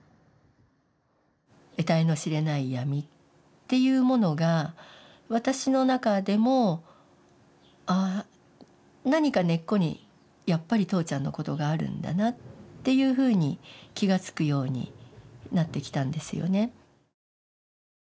えたいの知れない闇っていうものが私の中でもああ何か根っこにやっぱり父ちゃんのことがあるんだなっていうふうに気がつくようになってきたんですよね。